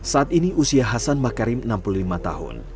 saat ini usia hasan makarim enam puluh lima tahun